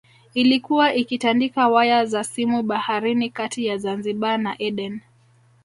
Ilikuwa ikitandika waya za simu baharini kati ya Zanzibar na Aden